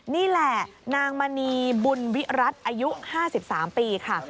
นี่แหละนางมณีบุญวิรัติอายุ๕๓ปีค่ะ